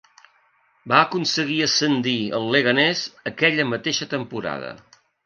Va aconseguir ascendir el Leganés aquella mateixa temporada.